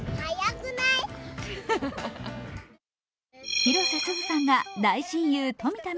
広瀬すずさんが大親友・富田望